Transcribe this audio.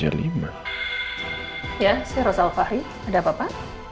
ya si rosa alfahri ada apa apa